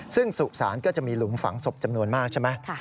ซึ่งสุสานก็จะมีหลุมฝังศพจำนวนมากใช่ไหม